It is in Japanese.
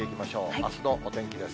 あすのお天気です。